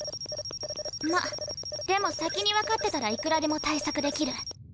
まっでも先に分かってたらいくらでも対策できる。